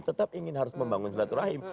tetap ingin harus membangun selatur rahim